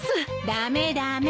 駄目駄目。